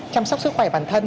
chăm sóc sức khỏe bản thân